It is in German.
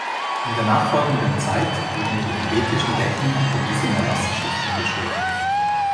In der nachfolgenden Zeit wurden die helvetischen Decken über diese Molasseschichten geschoben.